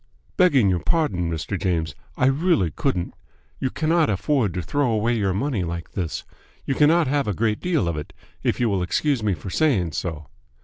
"Begging your pardon, Mr. James, I really couldn't. You cannot afford to throw away your money like this. You cannot have a great deal of it, if you will excuse me for saying so."